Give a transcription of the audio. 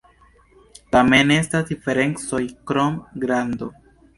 Tamen estas diferencoj krom grando.